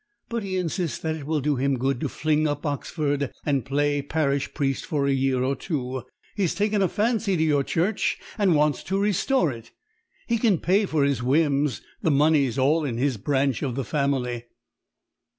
But he insists that it will do him good to fling up Oxford and play parish priest for a year or two. He has taken a fancy to your church, and wants to restore it. He can pay for his whims: the money's all in his branch of the family."